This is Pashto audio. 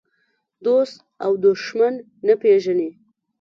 دوست او دښمن نه پېژني.